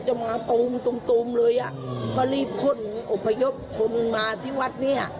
จะมาตรงตรงตรงเลยอ่ะเพราะรีบพ่นอพยพพรรมมาที่วัดเนี้ย